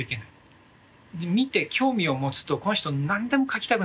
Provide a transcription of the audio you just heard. で見て興味を持つとこの人何でも描きたくなっちゃう人で。